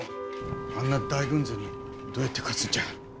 あんな大軍勢にどうやって勝つんじゃ。